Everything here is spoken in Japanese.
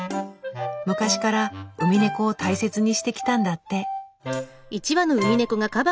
昔からウミネコを大切にしてきたんだって。